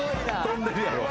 飛んでるやろ。